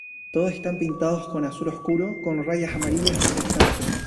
Todos están pintados de azul oscuro con rayas amarillas reflectantes.